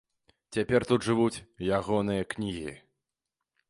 Цяпер тут жывуць ягоныя кнігі.